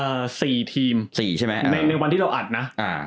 เองนะเอ่อสี่ทีมสี่ใช่ไหมในในวันที่เราอัดน่ะอ่า